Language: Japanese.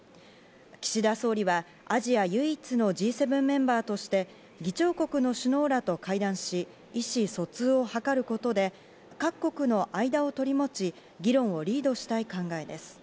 岸田総理はアジア唯一のＧ７メンバーとして議長国の首脳らと会談し、意思疎通を図ることで、各国の間を取り持ち議論をリードしたい考えです。